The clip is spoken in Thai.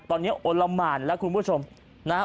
ตอนนี้โอละหมานแล้วคุณผู้ชมนะฮะ